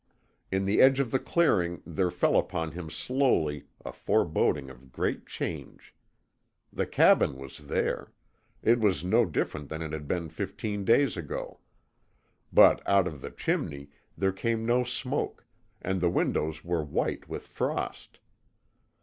In the edge of the clearing there fell upon him slowly a foreboding of great change. The cabin was there. It was no different than it had been fifteen days ago. But out of the chimney there came no smoke, and the windows were white with frost.